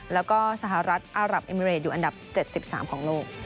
แล้วก็สหรัฐอารับเอมิเรดอยู่อันดับ๗๓ของโลก